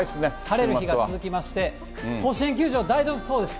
晴れる日が続きまして、甲子園球場、大丈夫そうです。